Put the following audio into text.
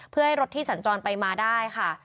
เพื่อให้รถที่สัญจรไปมาได้ค่ะ